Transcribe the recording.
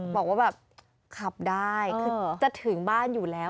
บอกว่าขับได้จะถึงบ้านอยู่แล้ว